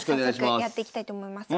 早速やっていきたいと思います。